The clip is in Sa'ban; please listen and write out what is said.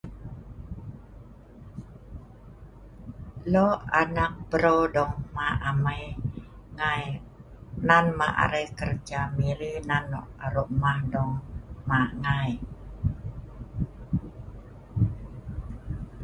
There are many single children in our village there. Some come down to Miri to look for work, some build houses in the village